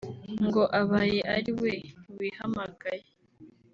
ngo abaye ariwe wihamagaye